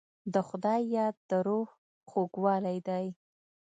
د خدای یاد د روح خوږوالی دی.